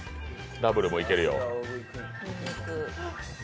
ダブルもいけるよ。